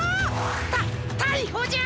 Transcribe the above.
たったいほじゃ！